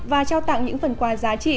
và trao tặng những phần quà giá trị